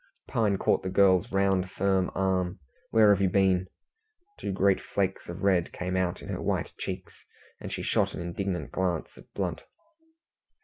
Pine caught the girl's round firm arm. "Where have you been?" Two great flakes of red came out in her white cheeks, and she shot an indignant glance at Blunt.